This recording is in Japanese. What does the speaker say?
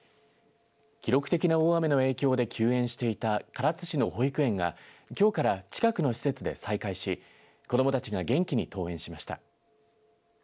記録的な大雨の影響で休園していた唐津市の保育園がきょうから近くの施設で再開し子どもたちが元気に登園しました。